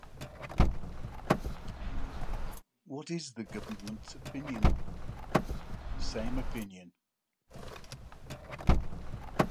What is the Government’s opinion? Same opinion.